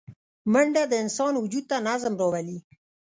منډه د انسان وجود ته نظم راولي